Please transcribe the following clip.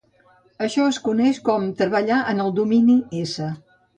Això es coneix com "treballar en el domini S".